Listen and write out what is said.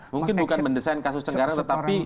mungkin bukan mendesain kasus cengkareng